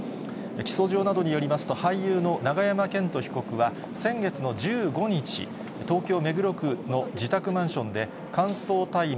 起訴状などによりますと、俳優の永山絢斗被告は先月の１５日、東京・目黒区の自宅マンションで、乾燥大麻